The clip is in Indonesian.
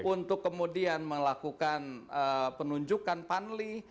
untuk kemudian melakukan penunjukan panli